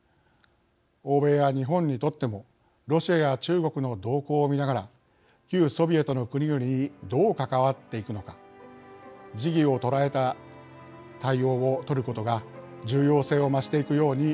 欧米や日本にとってもロシアや中国の動向を見ながら旧ソビエトの国々にどう関わっていくのか時宜を捉えた対応を取ることが重要性を増していくように思います。